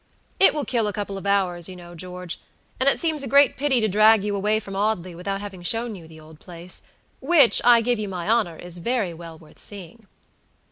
"It will kill a couple of hours, you know, George: and it seems a great pity to drag you away from Audley without having shown you the old place, which, I give you my honor, is very well worth seeing."